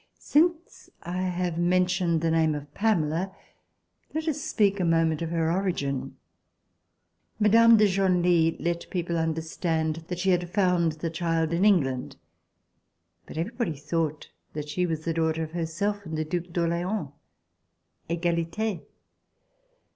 Since I have mentioned the name of Pamela, let us speak a moment of her origin. Mme. de Genlis let people understand that she had found the child in England, but everybody thought that she was the daughter of herself and the Due d'Orleans (Egalite).